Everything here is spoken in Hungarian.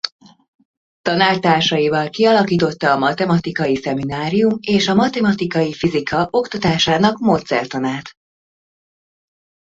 Tanártársaival kialakította a matematikai szeminárium és a matematikai fizika oktatásának módszertanát.